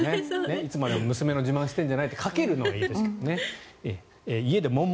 いつまでも娘の自慢をしているんじゃないと書ける人はいいですけどね。